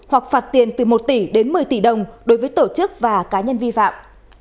hoặc phạt tiền từ một tỷ đến một mươi tỷ đồng đối với tổ chức và cá nhân vi phạm